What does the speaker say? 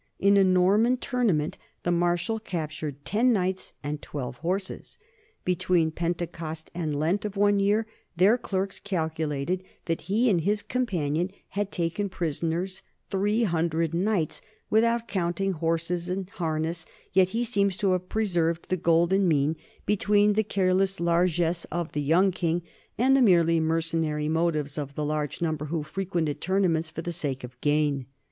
In a Norman tour nament the Marshal captured ten knights and twelve horses. Between Pentecost and Lent of one year their clerks calculated that he and his companion had taken prisoners three hundred knights, without counting horses and harness; yet he seems to have preserved the golden mean between the careless largesse of the Young NORMAN LIFE AND CULTURE 157 King and the merely mercenary motives of the large number who frequented tournaments for the sake of gain.